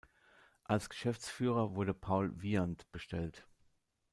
Als Geschäftsführer wurde Paul Wieandt bestellt.